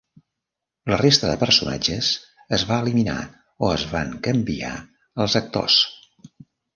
La resta de personatges es va eliminar o es van canviar els actors.